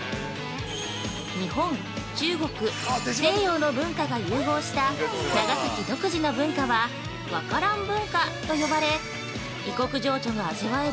日本、中国、西洋の文化が融合した長崎独自の文化は「和華蘭文化」と呼ばれ、異国情緒が味わえる